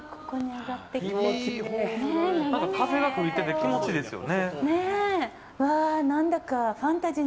風が吹いてて気持ちいいですよね。